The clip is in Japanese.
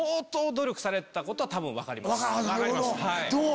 どう？